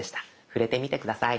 触れてみて下さい。